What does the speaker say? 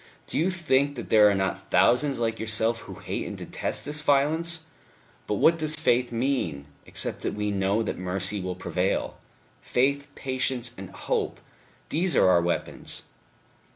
Do you think that there are not thousands like yourself who hate and detest this violence?... But what does faith mean, except that we know that mercy will prevail? Faith, patience and hope these are our weapons."